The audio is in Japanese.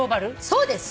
そうです！